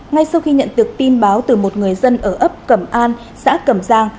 ngay sau khi nhận được tin báo từ một người dân ở ấp cẩm an xã cẩm giang